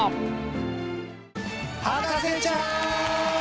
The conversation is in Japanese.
『博士ちゃん』！